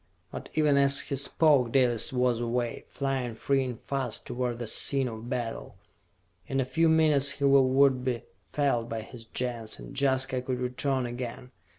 But even as he spoke, Dalis was away, flying free and fast toward the scene of battle. In a few minutes his will would be felt by his Gens, and Jaska could return again.